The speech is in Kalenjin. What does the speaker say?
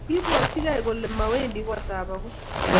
Kibwatyige akole mawendi kotab agui